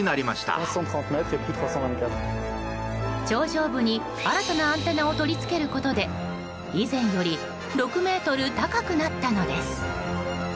頂上部に新たなアンテナを取り付けることで以前より６ｍ高くなったのです。